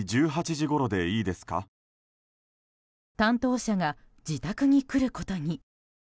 担当者が自宅に来ることに。